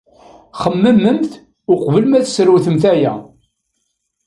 Xemmememt uqbel ma tsewremt aya.